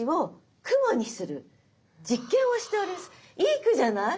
いい句じゃない？